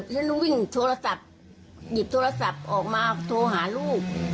ฉันวิ่งโทรศัพท์หยิบโทรศัพท์ออกมาโทรหาลูก